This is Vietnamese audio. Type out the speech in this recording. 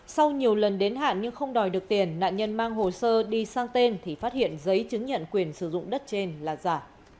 sau nhiều lần đến hạn nhưng không đòi được tiền nạn nhân mang hồ sơ đi sang tên thì phát hiện giấy chứng nhận quyền sử dụng đất trên là giả